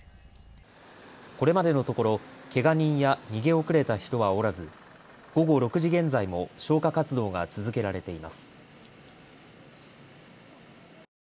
これまでのところ、けが人や逃げ遅れた人はおらず午後６時現在も消火活動が続けられています。